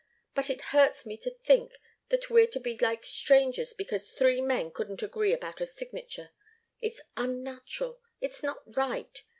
But it hurts me to think that we're to be like strangers, because three men couldn't agree about a signature. It's unnatural. It's not right.